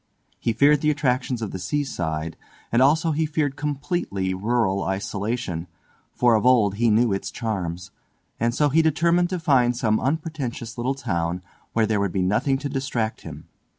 He feared the attractions of the seaside, and also he feared completely rural isolation, for of old he knew it charms, and so he determined to find some unpretentious little town where there would be nothing to distract him.